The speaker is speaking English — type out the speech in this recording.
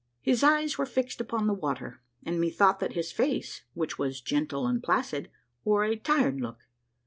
His eyes were fixed upon the water, and methought that his face, which was gentle and placid, wore a tired look.